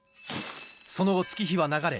その後月日は流れ